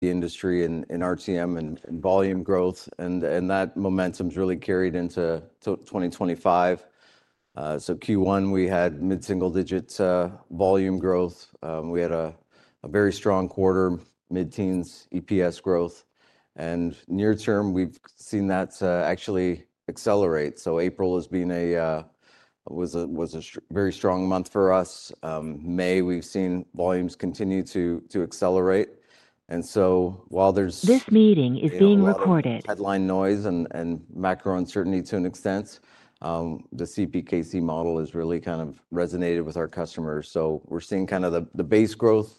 The industry in RTM and volume growth, and that momentum's really carried into 2025. Q1, we had mid-single-digit volume growth. We had a very strong quarter, mid-teens EPS growth. Near term, we've seen that actually accelerate. April has been a very strong month for us. May, we've seen volumes continue to accelerate. While there's. This meeting is being recorded. Headline noise and macro uncertainty to an extent, the CPKC model has really kind of resonated with our customers. We are seeing kind of the base growth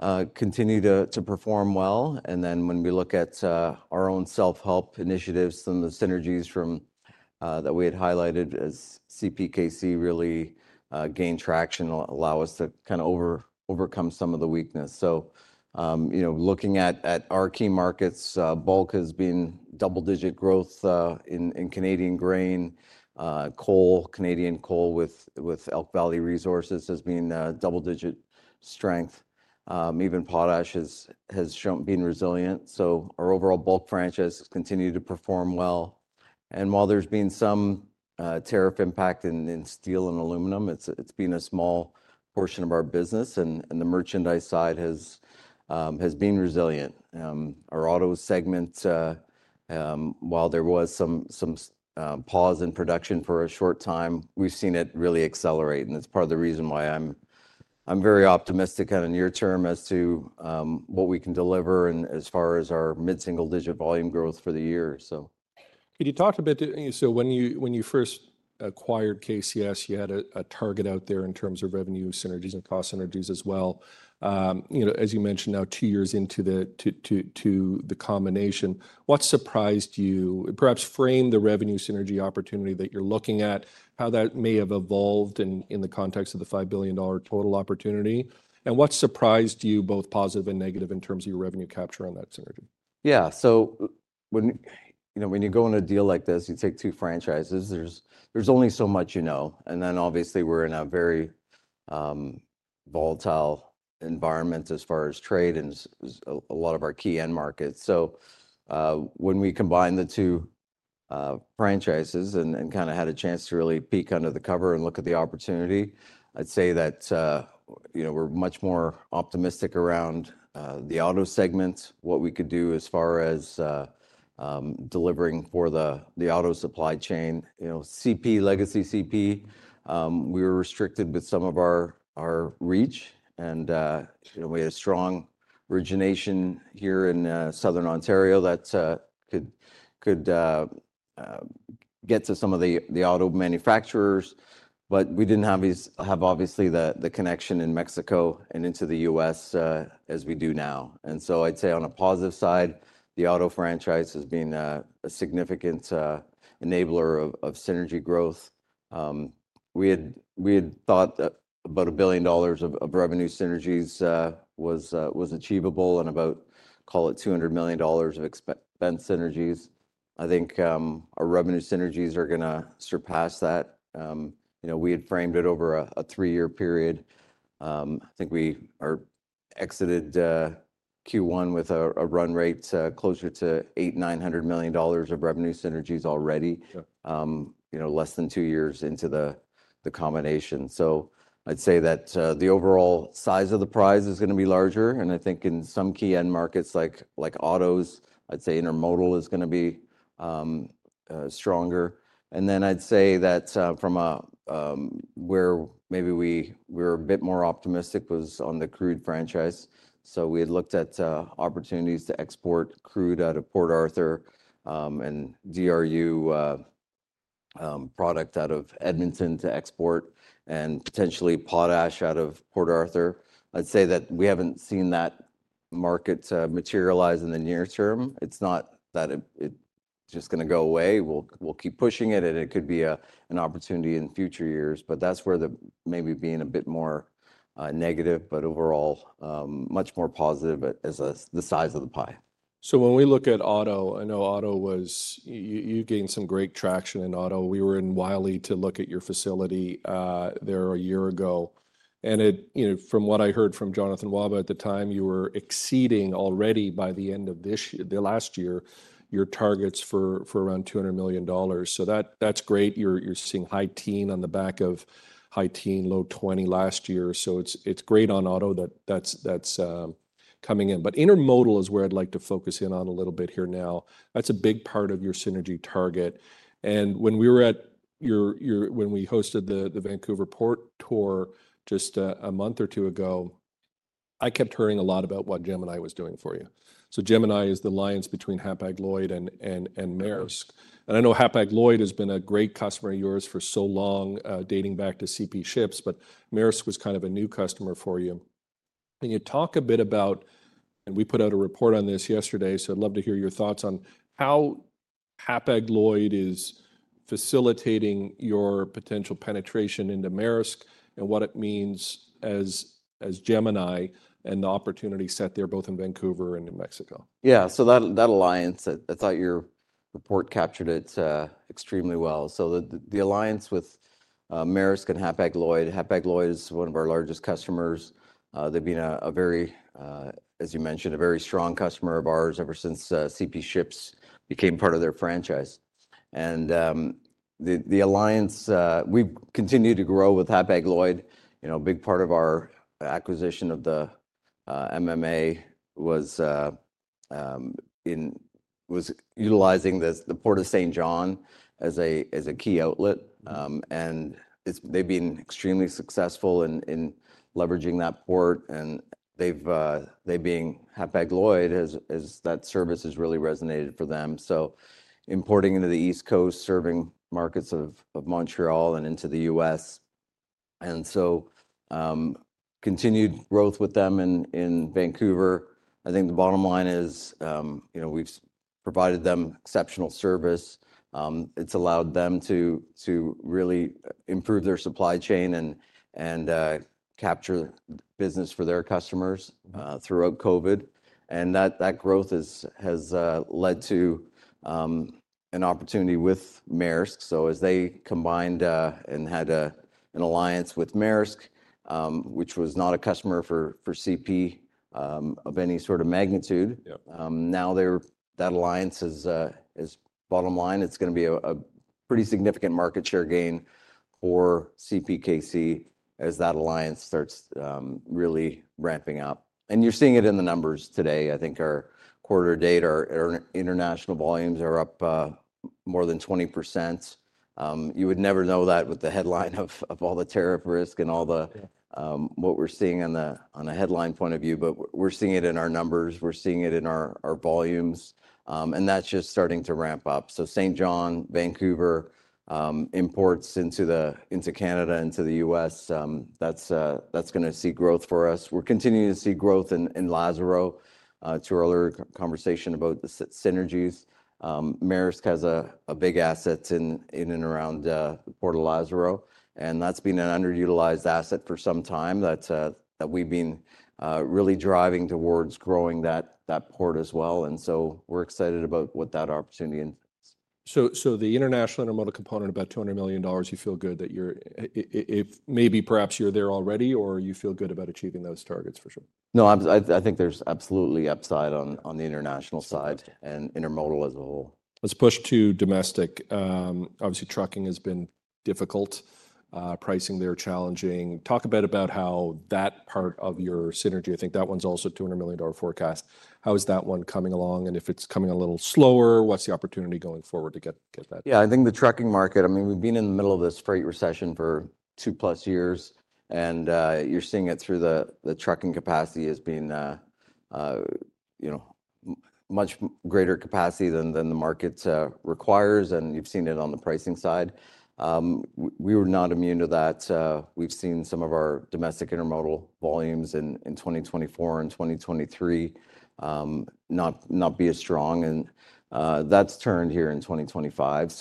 continue to perform well. When we look at our own self-help initiatives, some of the synergies that we had highlighted as CPKC really gained traction, allow us to kind of overcome some of the weakness. Looking at our key markets, bulk has been double-digit growth in Canadian grain, coal, Canadian coal with Elk Valley Resources has been double-digit strength. Even potash has been resilient. Our overall bulk franchise has continued to perform well. While there has been some tariff impact in steel and aluminum, it has been a small portion of our business. The merchandise side has been resilient. Our auto segment, while there was some pause in production for a short time, we have seen it really accelerate. It's part of the reason why I'm very optimistic kind of near term as to what we can deliver as far as our mid-single-digit volume growth for the year. Could you talk a bit? When you first acquired KCS, you had a target out there in terms of revenue synergies and cost synergies as well. As you mentioned, now two years into the combination, what surprised you? Perhaps frame the revenue synergy opportunity that you're looking at, how that may have evolved in the context of the 5 billion dollar total opportunity. What surprised you, both positive and negative, in terms of your revenue capture on that synergy? Yeah. When you go on a deal like this, you take two franchises, there is only so much you know. Obviously, we are in a very volatile environment as far as trade and a lot of our key end markets. When we combine the two franchises and kind of had a chance to really peek under the cover and look at the opportunity, I would say that we are much more optimistic around the auto segment, what we could do as far as delivering for the auto supply chain. Legacy CP, we were restricted with some of our reach. We had a strong origination here in Southern Ontario that could get to some of the auto manufacturers. We did not have the connection in Mexico and into the U.S. as we do now. I'd say on a positive side, the auto franchise has been a significant enabler of synergy growth. We had thought about 1 billion dollars of revenue synergies was achievable and about, call it 200 million dollars of expense synergies. I think our revenue synergies are going to surpass that. We had framed it over a three-year period. I think we exited Q1 with a run rate closer to 800 million-900 million dollars of revenue synergies already, less than two years into the combination. I'd say that the overall size of the prize is going to be larger. I think in some key end markets like autos, I'd say intermodal is going to be stronger. I'd say that from where maybe we were a bit more optimistic was on the crude franchise. We had looked at opportunities to export crude out of Port Arthur and DRU product out of Edmonton to export and potentially potash out of Port Arthur. I'd say that we haven't seen that market materialize in the near term. It's not that it's just going to go away. We'll keep pushing it. It could be an opportunity in future years. That's where the maybe being a bit more negative, but overall much more positive as the size of the pie. When we look at auto, I know auto was, you gained some great traction in auto. We were in Wiley to look at your facility there a year ago. From what I heard from Jonathan Wahba at the time, you were exceeding already by the end of last year your targets for around 200 million dollars. That's great. You're seeing high teen on the back of high teen, low 20 last year. It's great on auto that that's coming in. Intermodal is where I'd like to focus in on a little bit here now. That's a big part of your synergy target. When we were at your, when we hosted the Vancouver Port tour just a month or two ago, I kept hearing a lot about what Gemini was doing for you. Gemini is the alliance between Hapag-Lloyd and Maersk. I know Hapag-Lloyd has been a great customer of yours for so long, dating back to CP Ships. Maersk was kind of a new customer for you. Can you talk a bit about, and we put out a report on this yesterday, so I'd love to hear your thoughts on how Hapag-Lloyd is facilitating your potential penetration into Maersk and what it means as Gemini and the opportunity set there both in Vancouver and New Mexico? Yeah. That alliance, I thought your report captured it extremely well. The alliance with Maersk and Hapag-Lloyd, Hapag-Lloyd is one of our largest customers. They have been a very, as you mentioned, a very strong customer of ours ever since CP Ships became part of their franchise. The alliance, we have continued to grow with Hapag-Lloyd. A big part of our acquisition of the MMA was utilizing the Port of St. John as a key outlet. They have been extremely successful in leveraging that port. Hapag-Lloyd, as that service has really resonated for them. Importing into the East Coast, serving markets of Montreal and into the U.S. Continued growth with them in Vancouver. I think the bottom line is we have provided them exceptional service. It has allowed them to really improve their supply chain and capture business for their customers throughout COVID. That growth has led to an opportunity with Maersk. As they combined and had an alliance with Maersk, which was not a customer for CP of any sort of magnitude, now that alliance is bottom line. It is going to be a pretty significant market share gain for CPKC as that alliance starts really ramping up. You are seeing it in the numbers today. I think our quarter data or international volumes are up more than 20%. You would never know that with the headline of all the tariff risk and all the what we are seeing on a headline point of view. We are seeing it in our numbers. We are seeing it in our volumes. That is just starting to ramp up. St. John, Vancouver, imports into Canada, into the U.S., that is going to see growth for us. We're continuing to see growth in Lazaro to our earlier conversation about the synergies. Maersk has a big asset in and around Port of Lazaro. That's been an underutilized asset for some time that we've been really driving towards growing that port as well. We're excited about what that opportunity entails. The international intermodal component, about 200 million dollars, you feel good that you're maybe perhaps you're there already, or you feel good about achieving those targets for sure? No, I think there's absolutely upside on the international side and intermodal as a whole. Let's push to domestic. Obviously, trucking has been difficult. Pricing there challenging. Talk a bit about how that part of your synergy, I think that one's also a 200 million dollar forecast. How is that one coming along? If it's coming a little slower, what's the opportunity going forward to get that? Yeah, I think the trucking market, I mean, we've been in the middle of this freight recession for two plus years. You're seeing it through the trucking capacity as being much greater capacity than the market requires. You've seen it on the pricing side. We were not immune to that. We've seen some of our domestic intermodal volumes in 2024 and 2023 not be as strong. That has turned here in 2025.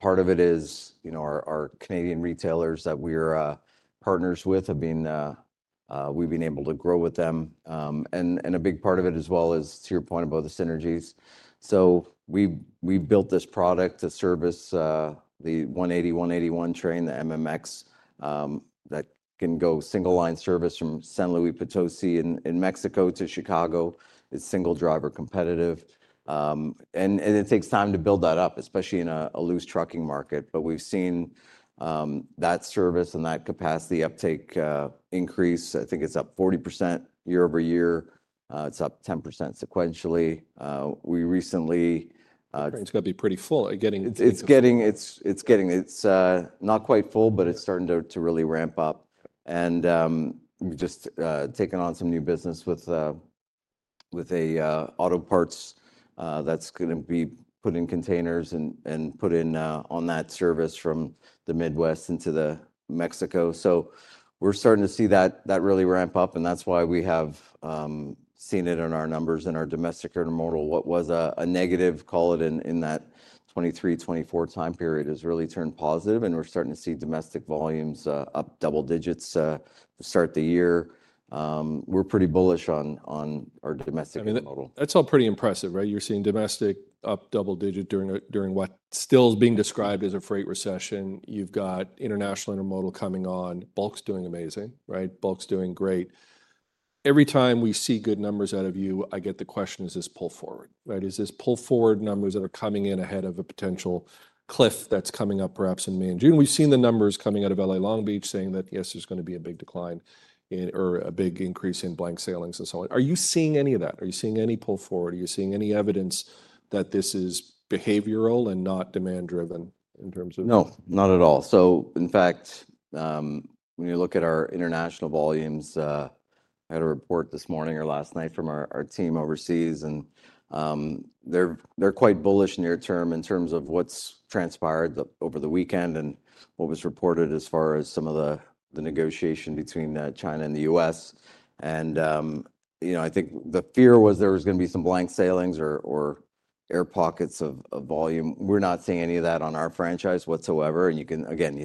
Part of it is our Canadian retailers that we're partners with, we've been able to grow with them. A big part of it as well is, to your point, about the synergies. We built this product, the service, the 180, 181 train, the MMX that can go single-line service from San Luis Potosí in Mexico to Chicago. It's single-driver competitive. It takes time to build that up, especially in a loose trucking market. We have seen that service and that capacity uptake increase. I think it is up 40% year-over-year. It is up 10% sequentially. We recently. It's got to be pretty full. It's getting not quite full, but it's starting to really ramp up. We've just taken on some new business with an auto parts that's going to be put in containers and put in on that service from the Midwest into Mexico. We're starting to see that really ramp up. That's why we have seen it in our numbers in our domestic intermodal. What was a negative, call it in that 2023, 2024 time period has really turned positive. We're starting to see domestic volumes up double-digits to start the year. We're pretty bullish on our domestic intermodal. That's all pretty impressive, right? You're seeing domestic up double digit during what still is being described as a freight recession. You've got international intermodal coming on. Bulk's doing amazing, right? Bulk's doing great. Every time we see good numbers out of you, I get the question, is this pull forward? Is this pull forward numbers that are coming in ahead of a potential cliff that's coming up perhaps in May and June? We've seen the numbers coming out of L.A. Long Beach saying that, yes, there's going to be a big decline or a big increase in blank sailings and so on. Are you seeing any of that? Are you seeing any pull forward? Are you seeing any evidence that this is behavioral and not demand driven in terms of? No, not at all. In fact, when you look at our international volumes, I had a report this morning or last night from our team overseas. They are quite bullish near term in terms of what has transpired over the weekend and what was reported as far as some of the negotiation between China and the U.S. I think the fear was there was going to be some blank sailings or air pockets of volume. We are not seeing any of that on our franchise whatsoever. You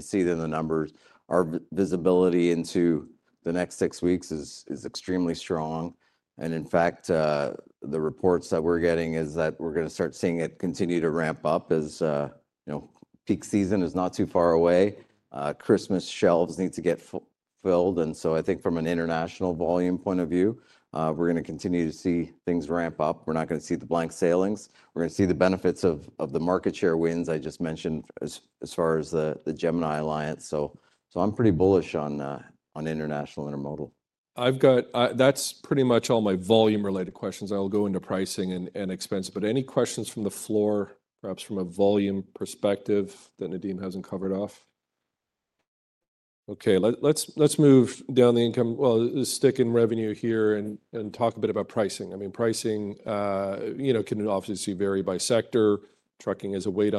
see it in the numbers. Our visibility into the next six weeks is extremely strong. In fact, the reports that we are getting is that we are going to start seeing it continue to ramp up as peak season is not too far away. Christmas shelves need to get filled. I think from an international volume point of view, we're going to continue to see things ramp up. We're not going to see the blank sailings. We're going to see the benefits of the market share wins I just mentioned as far as the Gemini Alliance. I'm pretty bullish on international intermodal. That's pretty much all my volume-related questions. I'll go into pricing and expense. Any questions from the floor, perhaps from a volume perspective that Nadeem hasn't covered off? Okay. Let's move down the income, stick in revenue here and talk a bit about pricing. I mean, pricing can obviously vary by sector. Trucking is a bit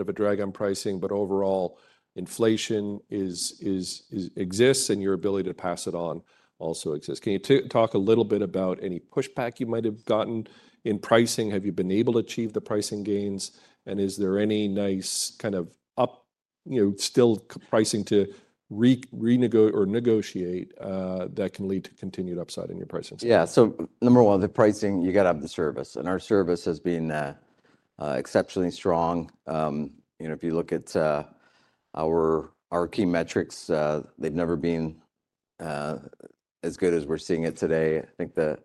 of a drag on pricing. Overall, inflation exists and your ability to pass it on also exists. Can you talk a little bit about any pushback you might have gotten in pricing? Have you been able to achieve the pricing gains? Is there any nice kind of still pricing to renegotiate that can lead to continued upside in your pricing? Yeah. Number one, the pricing, you got to have the service. Our service has been exceptionally strong. If you look at our key metrics, they've never been as good as we're seeing it today. I think the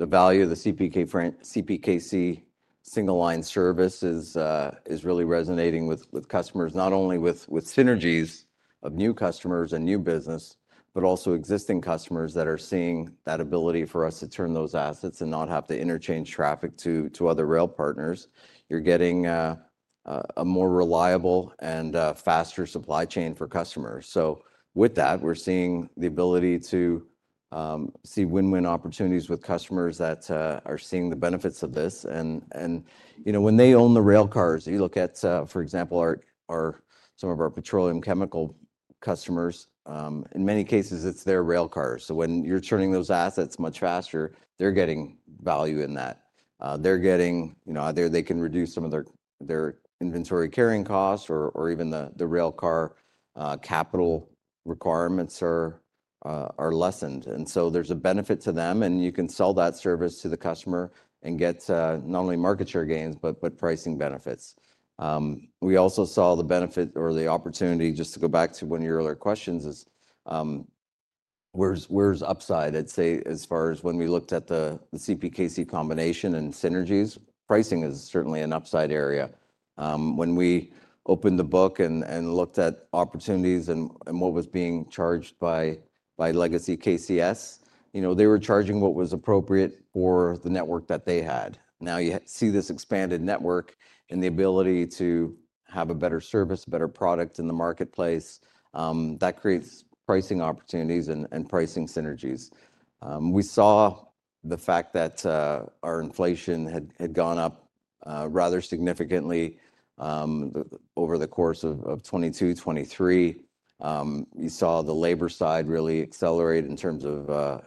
value of the CPKC single-line service is really resonating with customers, not only with synergies of new customers and new business, but also existing customers that are seeing that ability for us to turn those assets and not have to interchange traffic to other rail partners. You're getting a more reliable and faster supply chain for customers. With that, we're seeing the ability to see win-win opportunities with customers that are seeing the benefits of this. When they own the railcars, you look at, for example, some of our petroleum chemical customers, in many cases, it's their railcars. When you're turning those assets much faster, they're getting value in that. They're getting either they can reduce some of their inventory carrying costs or even the railcar capital requirements are lessened. There is a benefit to them. You can sell that service to the customer and get not only market share gains, but pricing benefits. We also saw the benefit or the opportunity, just to go back to one of your earlier questions, where's upside, I'd say, as far as when we looked at the CPKC combination and synergies. Pricing is certainly an upside area. When we opened the book and looked at opportunities and what was being charged by Legacy KCS, they were charging what was appropriate for the network that they had. Now you see this expanded network and the ability to have a better service, a better product in the marketplace. That creates pricing opportunities and pricing synergies. We saw the fact that our inflation had gone up rather significantly over the course of 2022, 2023. You saw the labor side really accelerate in terms of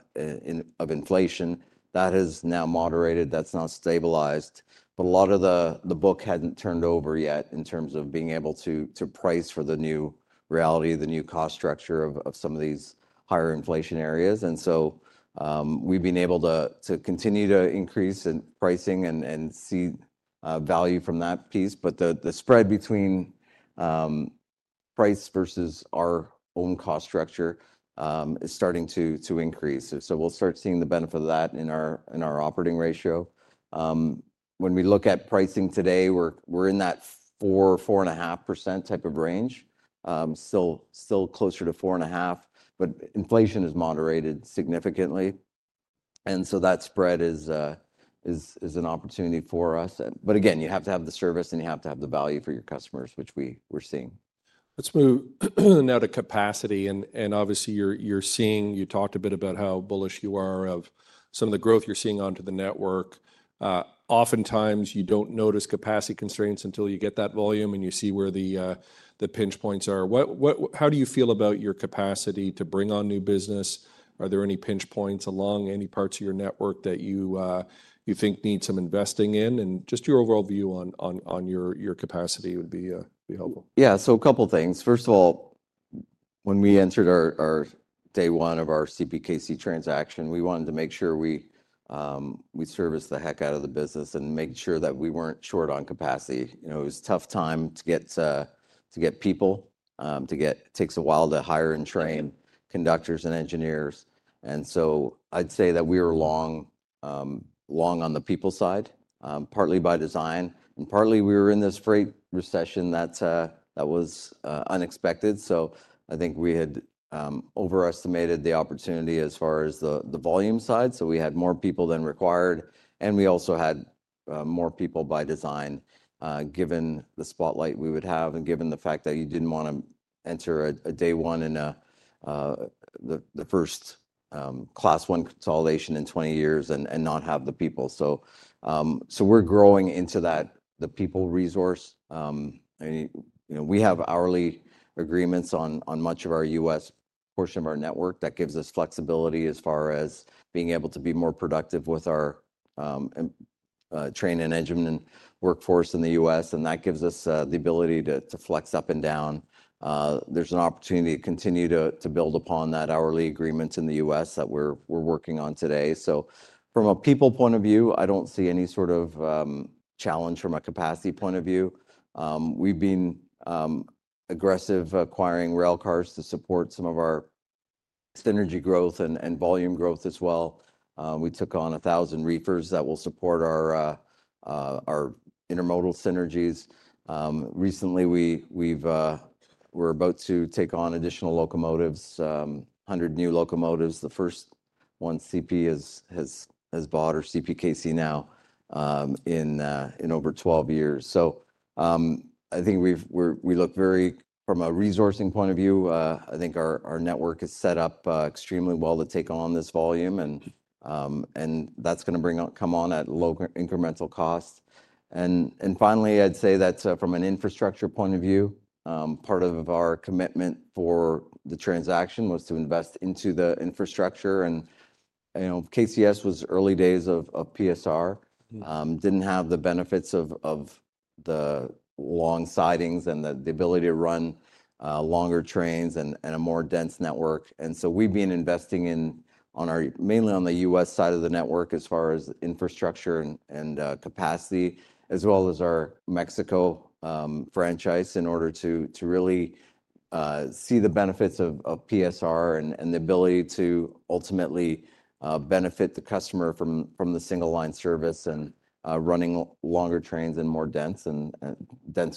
inflation. That has now moderated. That is now stabilized. A lot of the book had not turned over yet in terms of being able to price for the new reality, the new cost structure of some of these higher inflation areas. We have been able to continue to increase in pricing and see value from that piece. The spread between price versus our own cost structure is starting to increase. We will start seeing the benefit of that in our operating ratio. When we look at pricing today, we are in that 4%-4.5% type of range, still closer to 4.5%. Inflation has moderated significantly. That spread is an opportunity for us. Again, you have to have the service and you have to have the value for your customers, which we're seeing. Let's move now to capacity. Obviously, you talked a bit about how bullish you are of some of the growth you're seeing onto the network. Oftentimes, you don't notice capacity constraints until you get that volume and you see where the pinch points are. How do you feel about your capacity to bring on new business? Are there any pinch points along any parts of your network that you think need some investing in? Just your overall view on your capacity would be helpful. Yeah. A couple of things. First of all, when we entered our day one of our CPKC transaction, we wanted to make sure we service the heck out of the business and make sure that we were not short on capacity. It was a tough time to get people. It takes a while to hire and train conductors and engineers. I would say that we were long on the people side, partly by design. Partly we were in this freight recession that was unexpected. I think we had overestimated the opportunity as far as the volume side. We had more people than required. We also had more people by design, given the spotlight we would have and given the fact that you did not want to enter a day one in the first class one consolidation in 20 years and not have the people. We're growing into that, the people resource. We have hourly agreements on much of our U.S. portion of our network. That gives us flexibility as far as being able to be more productive with our train and engineering workforce in the U.S. That gives us the ability to flex up and down. There's an opportunity to continue to build upon that hourly agreement in the U.S. that we're working on today. From a people point of view, I don't see any sort of challenge from a capacity point of view. We've been aggressive acquiring railcars to support some of our synergy growth and volume growth as well. We took on 1,000 reefers that will support our intermodal synergies. Recently, we're about to take on additional locomotives, 100 new locomotives. The first one CP has bought or CPKC now in over 12 years. I think we look very, from a resourcing point of view, I think our network is set up extremely well to take on this volume. That is going to come on at low incremental cost. Finally, I'd say that from an infrastructure point of view, part of our commitment for the transaction was to invest into the infrastructure. KCS was early days of PSR, did not have the benefits of the long sidings and the ability to run longer trains and a more dense network. We have been investing mainly on the U.S. side of the network as far as infrastructure and capacity, as well as our Mexico franchise in order to really see the benefits of PSR and the ability to ultimately benefit the customer from the single-line service and running longer trains and more dense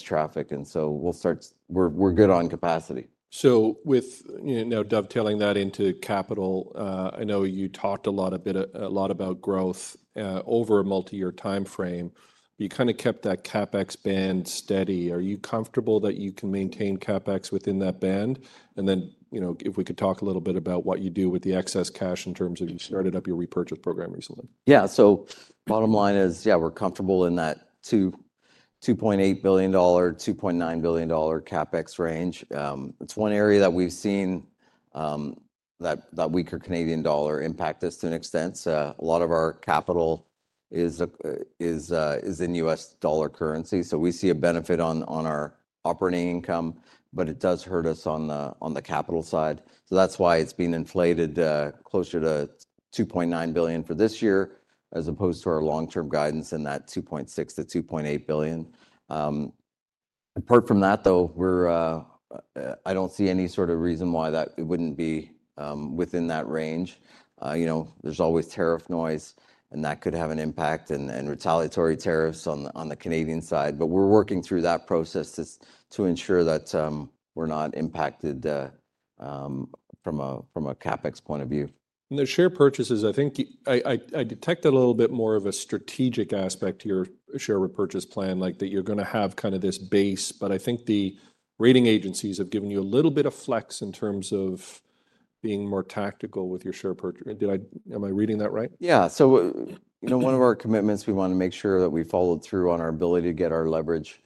traffic. We are good on capacity. Now dovetailing that into capital, I know you talked a lot about growth over a multi-year time frame. You kind of kept that CapEx band steady. Are you comfortable that you can maintain CapEx within that band? If we could talk a little bit about what you do with the excess cash in terms of you started up your repurchase program recently. Yeah. So bottom line is, yeah, we're comfortable in that 2.8 billion-2.9 billion dollar CapEx range. It's one area that we've seen that weaker Canadian dollar impact us to an extent. A lot of our capital is in U.S. dollar currency. We see a benefit on our operating income, but it does hurt us on the capital side. That's why it's been inflated closer to 2.9 billion for this year as opposed to our long-term guidance in that 2.6 billion-2.8 billion. Apart from that, though, I don't see any sort of reason why that wouldn't be within that range. There's always tariff noise, and that could have an impact and retaliatory tariffs on the Canadian side. We're working through that process to ensure that we're not impacted from a CapEx point of view. The share purchases, I think I detected a little bit more of a strategic aspect to your share repurchase plan, like that you're going to have kind of this base. I think the rating agencies have given you a little bit of flex in terms of being more tactical with your share purchase. Am I reading that right? Yeah. One of our commitments, we want to make sure that we followed through on our ability to get our leverage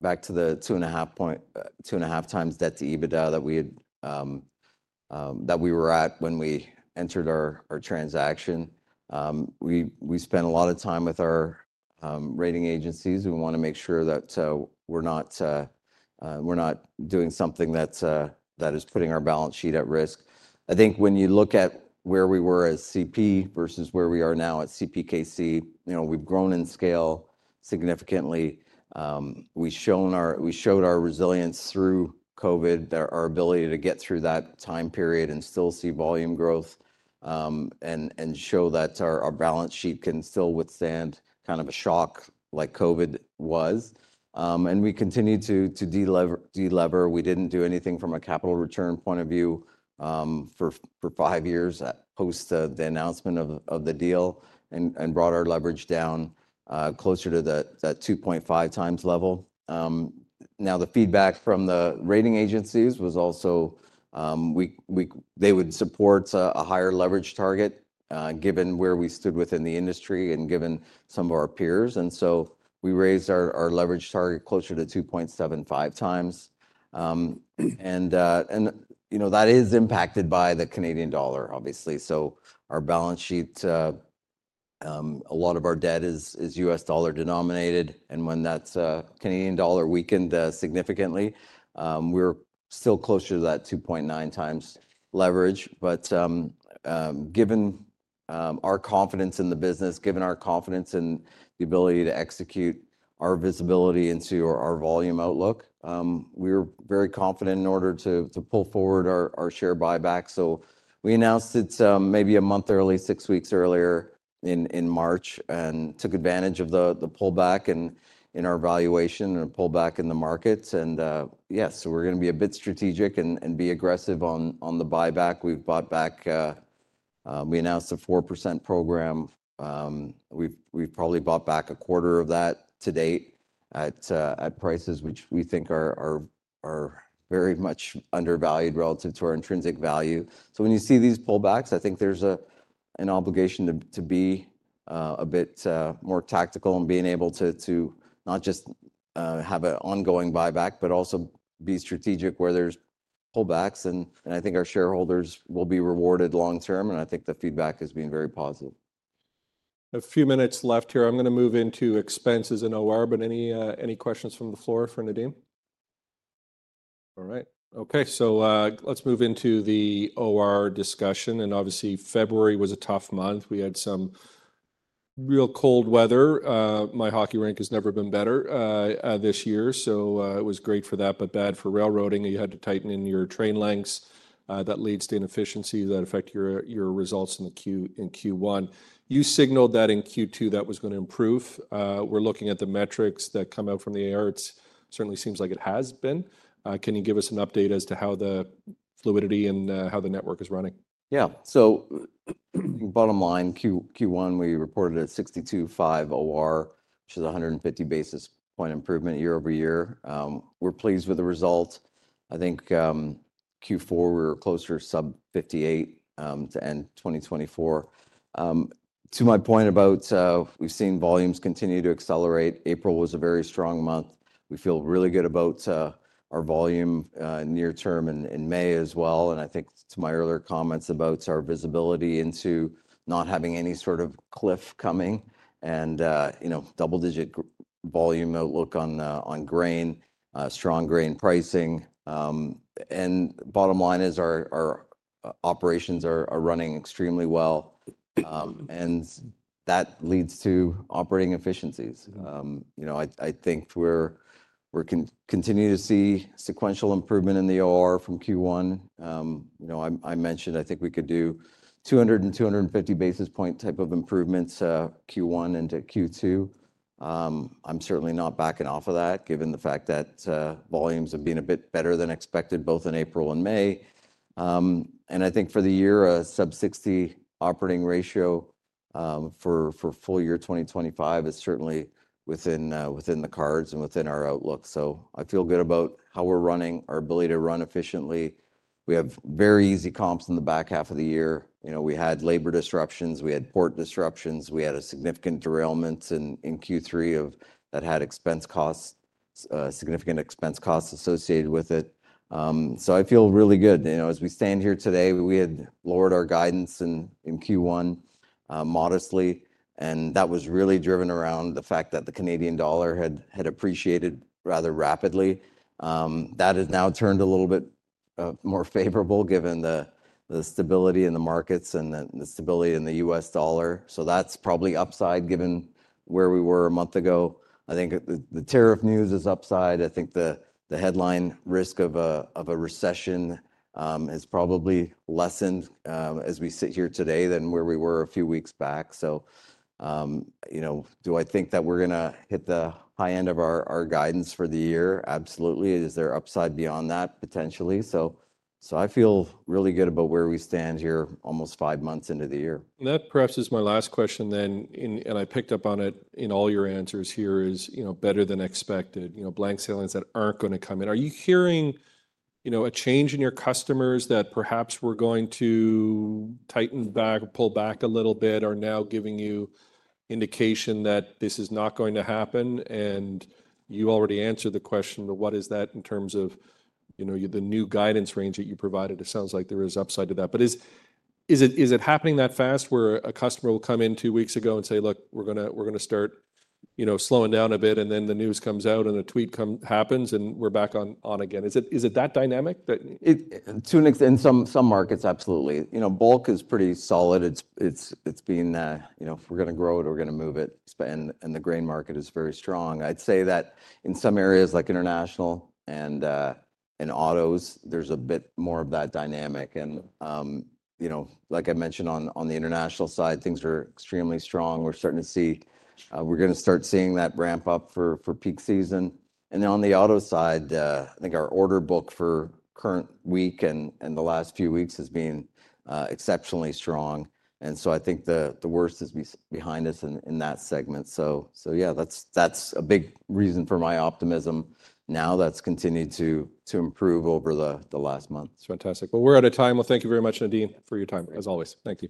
back to the 2.5x debt to EBITDA that we were at when we entered our transaction. We spent a lot of time with our rating agencies. We want to make sure that we're not doing something that is putting our balance sheet at risk. I think when you look at where we were as CP versus where we are now at CPKC, we've grown in scale significantly. We showed our resilience through COVID, our ability to get through that time period and still see volume growth and show that our balance sheet can still withstand kind of a shock like COVID was. We continued to deliver. We did not do anything from a capital return point of view for five years post the announcement of the deal and brought our leverage down closer to that 2.5x level. The feedback from the rating agencies was also they would support a higher leverage target given where we stood within the industry and given some of our peers. We raised our leverage target closer to 2.75x. That is impacted by the Canadian dollar, obviously. Our balance sheet, a lot of our debt is U.S. dollar denominated. When that Canadian dollar weakened significantly, we were still closer to that 2.9x leverage. Given our confidence in the business, given our confidence in the ability to execute our visibility into our volume outlook, we were very confident in order to pull forward our share buyback. We announced it maybe a month early, six weeks earlier in March, and took advantage of the pullback in our valuation and pullback in the markets. Yes, we're going to be a bit strategic and be aggressive on the buyback. We announced a 4% program. We've probably bought back a quarter of that to date at prices which we think are very much undervalued relative to our intrinsic value. When you see these pullbacks, I think there's an obligation to be a bit more tactical and being able to not just have an ongoing buyback, but also be strategic where there's pullbacks. I think our shareholders will be rewarded long term. I think the feedback has been very positive. A few minutes left here. I'm going to move into expenses and OR. But any questions from the floor for Nadeem? All right. Okay. Let's move into the OR discussion. Obviously, February was a tough month. We had some real cold weather. My hockey rink has never been better this year. It was great for that, but bad for railroading. You had to tighten in your train lengths. That leads to inefficiencies that affect your results in Q1. You signaled that in Q2 that was going to improve. We're looking at the metrics that come out from the ARRTS. Certainly seems like it has been. Can you give us an update as to how the fluidity and how the network is running? Yeah. Bottom line, Q1, we reported at 62.5 OR, which is a 150 basis point improvement year-over-year. We're pleased with the result. I think Q4, we were closer to sub-58 to end 2024. To my point about we've seen volumes continue to accelerate. April was a very strong month. We feel really good about our volume near term in May as well. I think to my earlier comments about our visibility into not having any sort of cliff coming and double-digit volume outlook on grain, strong grain pricing. Bottom line is our operations are running extremely well. That leads to operating efficiencies. I think we're continuing to see sequential improvement in the OR from Q1. I mentioned I think we could do 200-250 basis point type of improvements Q1 into Q2. I'm certainly not backing off of that given the fact that volumes have been a bit better than expected both in April and May. I think for the year, a sub-60 operating ratio for full year 2025 is certainly within the cards and within our outlook. I feel good about how we're running, our ability to run efficiently. We have very easy comps in the back half of the year. We had labor disruptions. We had port disruptions. We had a significant derailment in Q3 that had significant expense costs associated with it. I feel really good. As we stand here today, we had lowered our guidance in Q1 modestly. That was really driven around the fact that the Canadian dollar had appreciated rather rapidly. That has now turned a little bit more favorable given the stability in the markets and the stability in the U.S. dollar. That is probably upside given where we were a month ago. I think the tariff news is upside. I think the headline risk of a recession has probably lessened as we sit here today than where we were a few weeks back. Do I think that we are going to hit the high end of our guidance for the year? Absolutely. Is there upside beyond that potentially? I feel really good about where we stand here almost five months into the year. That perhaps is my last question then. I picked up on it in all your answers here is better than expected. Blank sales that are not going to come in. Are you hearing a change in your customers that perhaps were going to tighten back, pull back a little bit, are now giving you indication that this is not going to happen? You already answered the question of what is that in terms of the new guidance range that you provided. It sounds like there is upside to that. Is it happening that fast where a customer will come in two weeks ago and say, "Look, we are going to start slowing down a bit," and then the news comes out and the tweet happens and we are back on again? Is it that dynamic? In some markets, absolutely. Bulk is pretty solid. If we're going to grow it, we're going to move it. The grain market is very strong. I'd say that in some areas like international and autos, there's a bit more of that dynamic. Like I mentioned, on the international side, things are extremely strong. We're starting to see we're going to start seeing that ramp up for peak season. On the auto side, I think our order book for current week and the last few weeks has been exceptionally strong. I think the worst is behind us in that segment. Yeah, that's a big reason for my optimism now that's continued to improve over the last month. Fantastic. We are out of time. Thank you very much, Nadeem, for your time as always. Thank you.